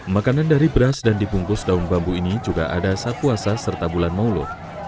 makanan dari beras dan dibungkus daun bambu ini juga ada saat puasa serta bulan maulu